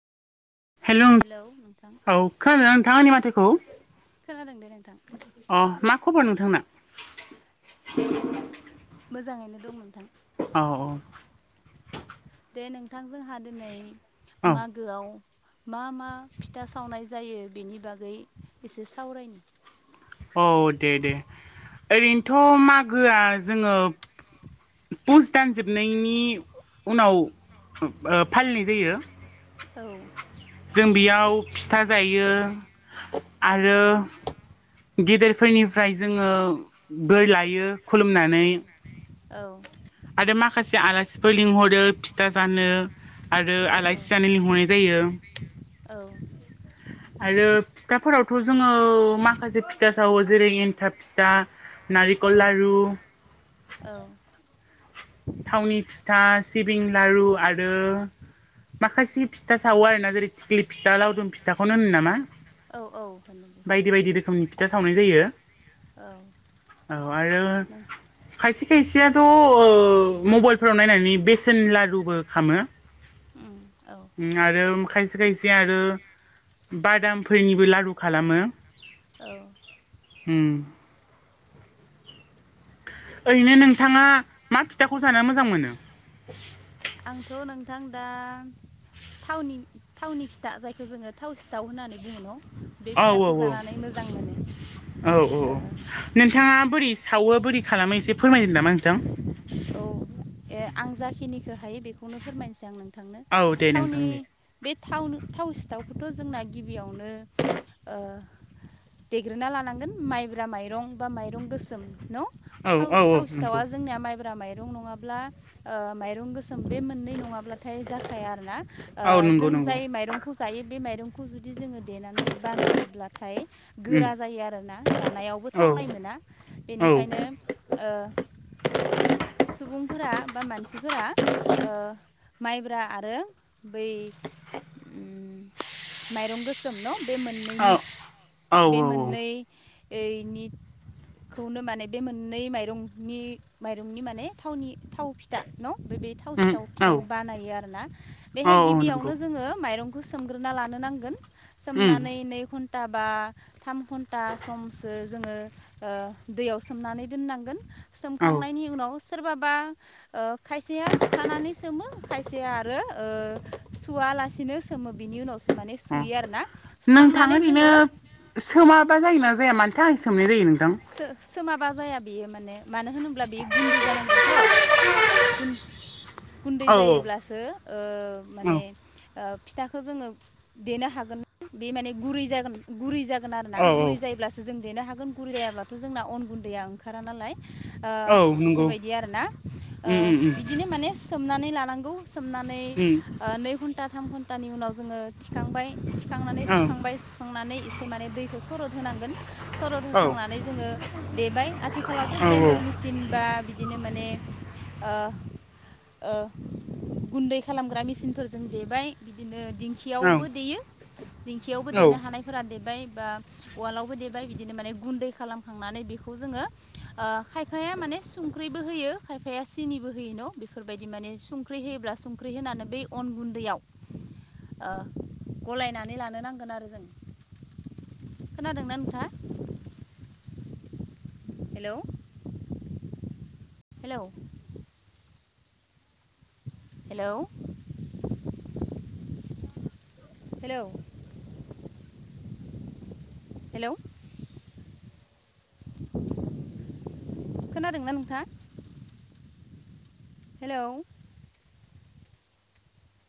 हेल' hello नोंथां औ खोनादों नोंथां आंनि माथोखौ? खोनादों दे नोंथां। अ मा खबर नोंथांना? मोजाङैनो दं नोंथां औ औ दे नोंथांजोंहा दिनै औ मागोआव मा मा फिथा सावनाय जायो बेनि बागै एसे सावरायनि औ दे दे ओरैनोथ' मागोआ जोङो पुस दानजोबनायनि उनाव ओ फालिनाय जायो। औ जों बेयाव फिथा जायो। आरो औ गेदेरफोरनिफ्राय जोङो बोर लायो खुलुमनानै औ आरो माखासे आलासिफोर लिंहरो फिथा जानो आरो औ आलासि जानो लिंहरनाय जायो। औ आरो फिथाफोरावथ' जोङो माखासे फिथा सावो जेरै, एन्थाब फिथा औ नारखल लारु औ सावनि फिथा, सिबिं लारु आरो माखासे फिथा सावो आरोना जेरै थिख्लि फिथा लावदुम फिथाखौनो होनो नामा? औ औ होनो बेखौनो बायदि होनो बायदि रोखोमनि फिथा सावनाय जायो। औ औ आरो नों खायसे खायसेयाथ' मबाइलफोराव नायनानै बेसेन लारुबो खामो उम औ आरो खायसे खायसे आरो बादामफोरनिबो लाारु खालामो। औ उम ओरैनो नोंथाङा मा फिथाखौ जानो मोजां मोनो? आंथ' नोंथां दा थावनि थावनि फिथा जायखौ जोङो थाव सिथाव होननानै बुङो न' बे औ औ फिथाखौ औ जानानै मोजां मोनो औ औ ओ नोंथाङा बोरै सावो बोरै खालामो एसे फोरमायदो नामा नोंथां औ ए आं जाखिनिखौ हायो बेखौनो फोरमायनोसै आं नों थांनो औ दे थावनि नोंथां दे बे थावनो थाव सिथावखौथ' जोंना गिबियावनो ओ देग्रोना लानांगोन माइब्रा माइरं बा माइरं गोसोम न' औ थाव औ औ थाव नंगौ सिथावा जोंनिया माइ ब्रा माइरं नङाब्ला ओ माइरं गोसोम बे मोननै नङाब्लाथाय जाखाया आरो ना ओ औ नंगौ जों नंगौ जाय माइरंखौ जायो बे माइरंखौ जुदि जोङो देनानै बानायोब्लाथाय उम गोरा जायो आरोना जानायावबो औ थावनाय मोना बेनिखायनो ओ सुबुंफोरा बा मानसिफोरा ओ माइब्रा आरो बै उ माइरं गोसोम न बे औ मोननैनि औ बे औ मोननै ओयनिखौनो माने बे मोननै माइरंनि माइ दिरुंनि माने थावनि थाव फिथा न' [unintelligible] बे थाव उम सिथाव औ फिथाखौ बानायो आरो ना औ बेहाय औ नंगौ गिबियावनो जोङो माइरंखौ सोमग्रोना लानो नांगोन उम सोमनानै नै घन्ट दाबा थाम घन्टा समसो जोङो ओ दैयाव सोमनानै दोननांगोन सोम औ खांनायनि उनाव सोरबाबा ओ खायसेया सुखानानै सोमो खायसेया आरो ओ सुवालासिनो सो सोमो बिनि उनावसो माने अ सुयो आरो ना नोंथां ओरैनो सोमाबा जायोना जाया मानि थाखाय सोमनाय जायो नोंथां सो सोमाबा जाया बियो माने मानो होनोब्ला बेयो गुन्दै जानांगौथ' गुन गुन्दै औ जायोब्लासो ओ औ माने ओ फिथाखौ जोङो देनो हागोन बे माने गुरै जागोन गुरै जागोन आरो ना औ औ गुरै जायोब्लासो जों देनो हागोन गुरै जायाब्लाथ' जोंना अन गुन्दैया ओंखारा नालाय ओ औ नंगौ बेफोरबायदि आरोना ओ उम उम बिदिनो माने सोमनानै लानांगौ सोमनानै उम ओ नै घन्टा थाम घन्टानि उनाव जोङो थिखांबाय थि खांनानै उम औ सुखांबाय सुखांनानै एसे माने दैखौ सरथ होनांगोन सरथ औ खांनानै जोङो देबाय आथिखालावथ' औ ग्रेडार मिस थिनबा बिदिनो माने ओ ओ गुन्दै खालामग्रा मेसिनफोरजों देबाय बिदिनो दिंखि औ खियावबो देयो दिंखियावबो औ औ देनो हानायफोरा देबाय बा उवालावबो देबाय बिदिनो माने गुन्दै खालामखांनानै बेखौ जोङो ओ खायफाया माने सुंख्रैबो होयो खायफाया सिनिबो होय न' बेफोरबायदि माने सुंख्रि होयोब्ला सुंख्रि होनानै बै अन गुन्दैयाव ओ गलायनानै लानो नांगोन आरो जों खोनादोंना नोंथाङा? Hello hello hello hello hello खोनादोंना नोंथाङा? हेलौ